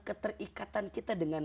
keterikatan kita dengan